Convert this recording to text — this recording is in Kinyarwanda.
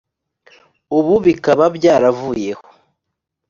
ubu bikaba byaravuyeho